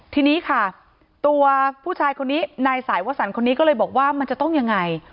ทีนี้ค่ะตัวผู้ชายคนนี้นายสายวสันคนนี้ก็เลยบอกว่ามันจะต้องยังไง